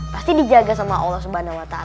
pasti dijaga sama allah swt